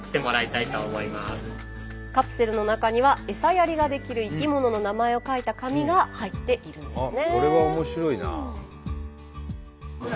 カプセルの中にはエサやりができる生き物の名前を書いた紙が入っているんですね。